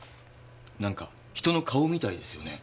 なんか人の顔みたいですよね。